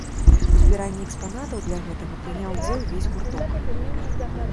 У збіранні экспанатаў для гэтага прыняў удзел увесь гурток.